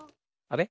あれ？